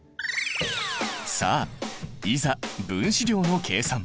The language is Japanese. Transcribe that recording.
さあいざ分子量の計算。